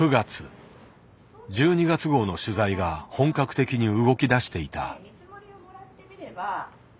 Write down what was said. １２月号の取材が本格的に動きだしていた。